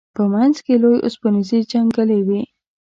په منځ کې لوی اوسپنیزې جنګلې وې.